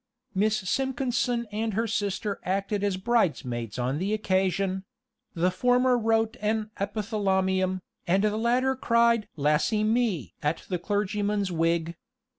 Miss Simpkinson and her sister acted as brides maids on the occasion; the former wrote an epithalamium, and the latter cried "Lassy me!" at the clergyman's wig.